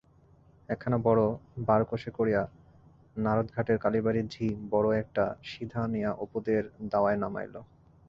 একখানা বড় বারকোশে করিয়া নারদঘাটের কালীবাড়ির ঝি বড় একটা সিধা আনিয়া অপুদের দাওয়ায় নামাইল।